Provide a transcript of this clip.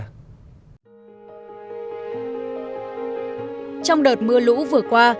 trong đợt mưa lũ vừa qua